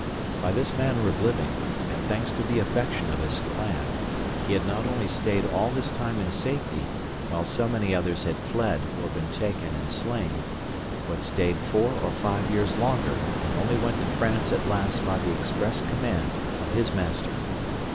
By this manner of living, and thanks to the affection of his clan, he had not only stayed all this time in safety, while so many others had fled or been taken and slain: but stayed four or five years longer, and only went to France at last by the express command of his master.